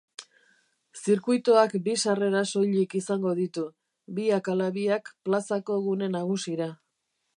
Zirkuituak bi sarrera soilik izango ditu, biak ala biak plazako gune nagusira.